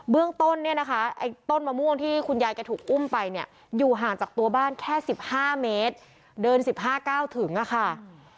เรื่องต้นเนี่ยนะคะไอ้ต้นมะม่วงที่คุณยายแกถูกอุ้มไปเนี่ยอยู่ห่างจากตัวบ้านแค่๑๕เมตรเดิน๑๕๙ถึงอะค่ะ